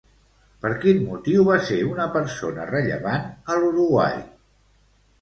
Per quin motiu va ser una persona rellevant a l'Uruguai?